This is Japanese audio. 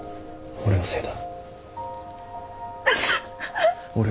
俺のせいだ。